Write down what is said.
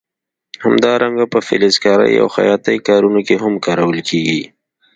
همدارنګه په فلزکارۍ او خیاطۍ کارونو کې هم کارول کېږي.